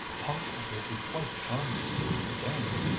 "Papa will be quite charmed to see you again.